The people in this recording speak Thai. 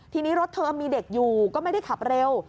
ทีนี้รถเธอมีเด็กอยู่ก็ไม่ได้ขับเร็ว